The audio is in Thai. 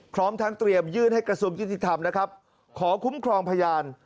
พร้อมทั้งเตรียมยื่นให้กระทรวงยุติธรรมนะครับขอคุ้มครองพยาน